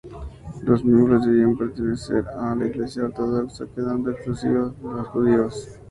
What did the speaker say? Los miembros debían pertenecer a la iglesia ortodoxa, quedando excluidos los judíos.